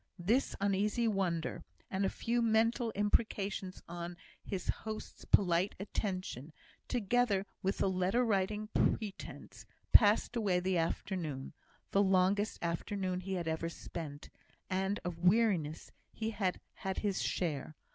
This uneasy wonder, and a few mental imprecations on his host's polite attention, together with the letter writing pretence, passed away the afternoon the longest afternoon he had ever spent; and of weariness he had had his share.